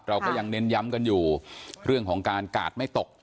เราก็ยังเน้นย้ำกันอยู่เรื่องของการกาดไม่ตก